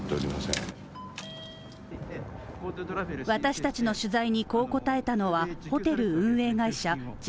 私たちの取材にこう答えたのはホテル運営会社